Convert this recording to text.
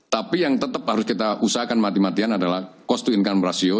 tapi yang tetap harus kita usahakan mati matian adalah cost to income ratio